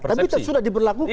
tapi itu sudah diperlakukan